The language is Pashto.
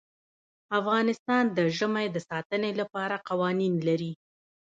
افغانستان د ژمی د ساتنې لپاره قوانین لري.